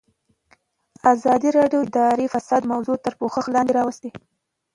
ازادي راډیو د اداري فساد موضوع تر پوښښ لاندې راوستې.